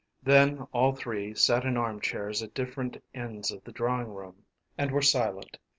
Then all three sat in arm chairs at different ends of the drawing room and were silent.